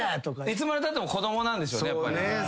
いつまでたっても子供なんでしょうねやっぱり。